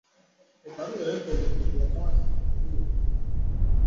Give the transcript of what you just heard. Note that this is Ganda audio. Ebbaluwa eyaleeta obuzibu yali eva wa Ssenkulu yennyini.